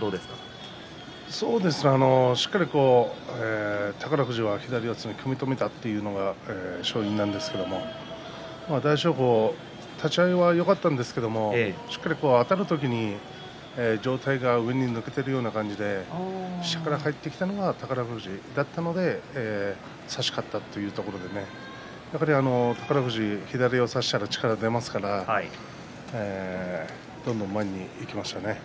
しっかり宝富士は左四つに組み止めたというのが勝因なんですが、大翔鵬立ち合いがよかったんですがしっかりとあたる時に上体が上に抜けているような感じで下から入ってきたのは宝富士だったので差し勝ったというところでやはり宝富士、左を差したら力が出ますからどんどん前にいきましたね。